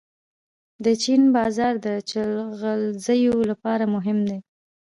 د چین بازار د جلغوزیو لپاره مهم دی.